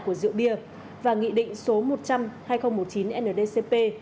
của rượu bia và nghị định số một trăm linh hai nghìn một mươi chín ndcp